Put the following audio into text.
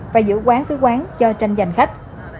và giữa quán với quán cho tranh giành khách